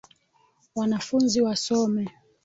Wanafunzi wasome.